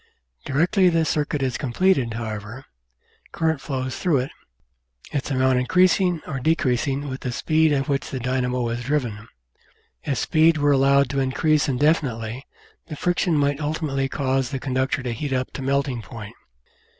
Directly the circuit is completed, however, current flows through it, its amount increasing or de creasing with the speed at which the dynamo is driven. If speed were allowed to increase indefinitely the friction might ultimately cause the conductor to heat up to melting point.